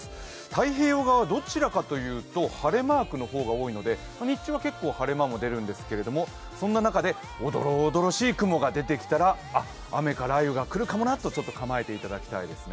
太平洋側はどちらかというと晴れマークの方が多いので、日中は結構晴れ間も出るんですけどそんな中で、おどろおどろしい雲が出てきたら、雨か雷雨が来るかもなとちょっと構えていただきたいですね。